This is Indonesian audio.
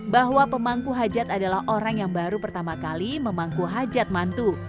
bahwa pemangku hajat adalah orang yang baru pertama kali memangku hajat mantu